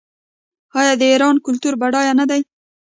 آیا د ایران کلتور بډایه نه دی؟